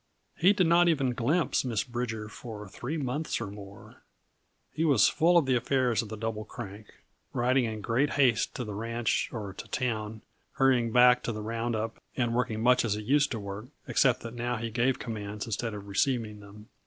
He did not even glimpse Miss Bridger for three months or more. He was full of the affairs of the Double Crank; riding in great haste to the ranch or to town, hurrying back to the round up and working much as he used to work, except that now he gave commands instead of receiving them.